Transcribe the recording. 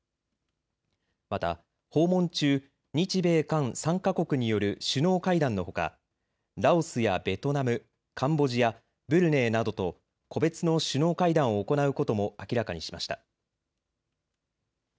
また訪問中、日米韓３か国による首脳会談のほか、ラオスやベトナム、カンボジア、ブルネイなどと個別の首脳会談を行うことも明らかにしました。